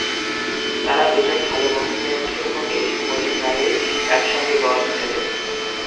তারা দুজন ভালো বন্ধু হয়ে ওঠে এবং এই সময়ে প্রায়ই একসঙ্গে গলফ খেলে।